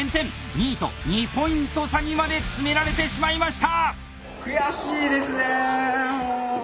２位と２ポイント差にまで詰められてしまいました！